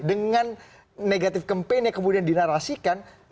dengan negatif campaign yang kemudian dinarasikan